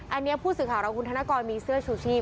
อันนี้ผู้สื่อข่าวเราคุณธนกรมีเสื้อชูชีพ